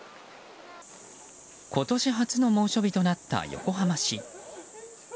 今年初の猛暑日となった横浜市。